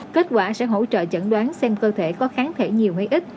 kết quả sẽ hỗ trợ chẩn đoán xem cơ thể có kháng thể nhiều hay ít